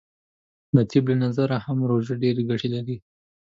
د طب له نظره هم روژه ډیرې ګټې لری .